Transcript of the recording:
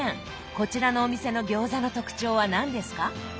こちらのお店の餃子の特徴は何ですか？